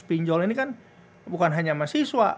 pinjol ini kan bukan hanya mahasiswa